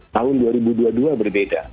tahun dua ribu dua puluh dua berbeda